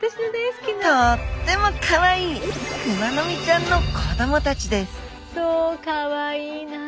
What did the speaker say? とってもかわいいクマノミちゃんの子供たちですかわいいなあ。